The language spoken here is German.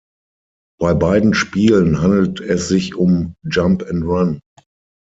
Bei beiden Spielen handelt es sich um Jump ’n’ Run.